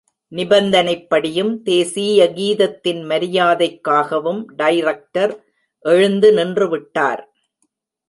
நிபந்தனைப்படியும், தேசீய கீதத்தின் மரியாதைக்காகவும் director எழுந்து நின்றுவிட்டார்.